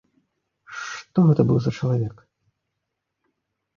Што гэта быў за чалавек?